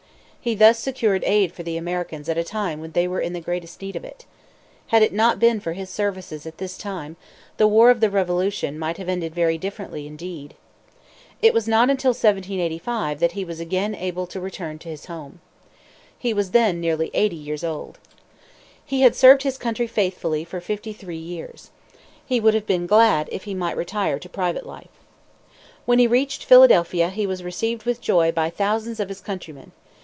He thus secured aid for the Americans at a time when they were in the greatest need of it. Had it not been for his services at this time, the war of the Revolution might have ended very differently, indeed. It was not until 1785 that he was again able to return to his home. He was then nearly eighty years old. He had served his country faithfully for fifty three years. He would have been glad if he might retire to private life. When he reached Philadelphia he was received with joy by thousands of his countrymen.